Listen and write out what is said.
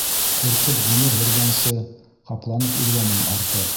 Ҡурҡып ғүмер һөргәнсе, ҡапланып үлгәнең артыҡ.